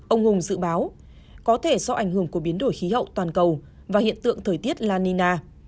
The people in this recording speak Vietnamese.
ông hùng dự báo có thể do ảnh hưởng của biến đổi khí hậu toàn cầu và hiện tượng thời tiết la nina